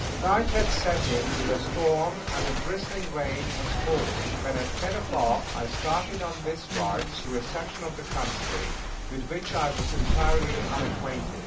Night had set in with a storm, and a drizzling rain was falling when, at ten o'clock, I started on this ride through a section of country with which I was entirely unacquainted.